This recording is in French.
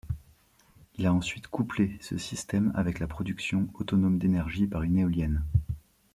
Il a ensuite couplé ce système avec la production autonome d'énergie par une éolienne.